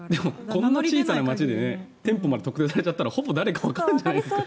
こんな小さな町で店舗まで特定されちゃったらほぼ誰かわかるんじゃないですか。